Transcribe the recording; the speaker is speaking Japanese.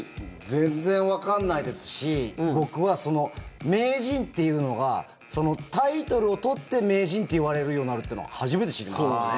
全然わかんないですし僕は名人っていうのがタイトルを取って、名人といわれるようになるっていうのは初めて知りました。